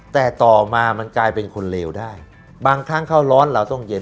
แต่ต่อมามันกลายเป็นคนเลวได้บางครั้งเขาร้อนเราต้องเย็น